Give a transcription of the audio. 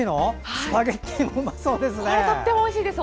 スパゲッティもうまそうですね！